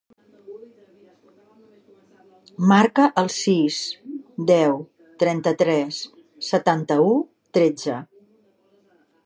Marca el sis, deu, trenta-tres, setanta-u, tretze.